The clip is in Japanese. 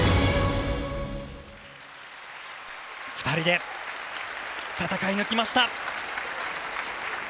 ２人で戦い抜きました。